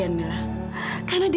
aku mau pergi